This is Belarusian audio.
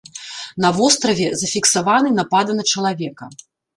На востраве зафіксаваны напады на чалавека.